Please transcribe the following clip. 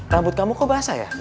rambut kamu kok basah ya